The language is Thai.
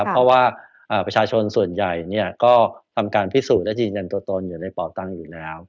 เพราะว่าประชาชนส่วนใหญ่ก็ทำการพิสูจน์และยืนยันตัวตนอยู่ในเป่าตังค์อยู่แล้ว